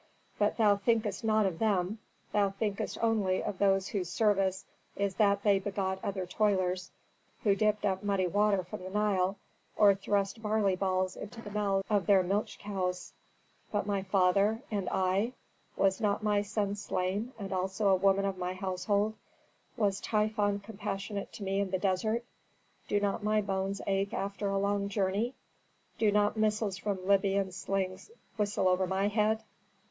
But thou thinkest not of them; thou thinkest only of those whose service is that they begot other toilers who dipped up muddy water from the Nile, or thrust barley balls into the mouths of their milch cows. "But my father and I? Was not my son slain, and also a woman of my household? Was Typhon compassionate to me in the desert? Do not my bones ache after a long journey? Do not missiles from Libyan slings whistle over my head?